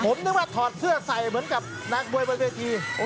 ผมนึกว่าถอดเสื้อใส่เหมือนกับนักมวยบนเวที